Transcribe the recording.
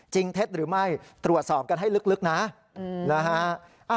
จริงเท็จหรือไม่ตรวจสอบกันให้ลึกนะ